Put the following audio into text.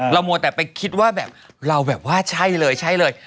มัวแต่ไปคิดว่าแบบเราแบบว่าใช่เลยใช่เลย